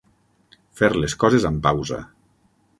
Fer les coses amb pausa.